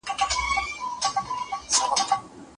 هغه د اوښانو په قطارونو کي خزانې لیدلې وې.